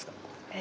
え？